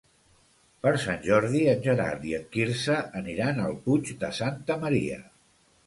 Per Sant Jordi en Gerard i en Quirze aniran al Puig de Santa Maria.